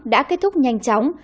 đã kết thúc nhanh chóng